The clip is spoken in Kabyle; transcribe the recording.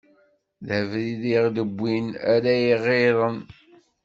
D abrid i ɣ-d-iwwin ara ɣ-irren.